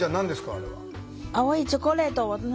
あれは。